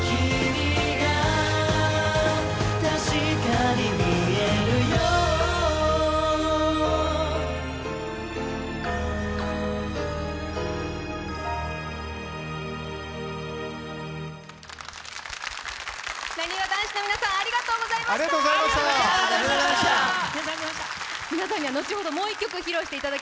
なにわ男子の皆さん、ありがとうございました。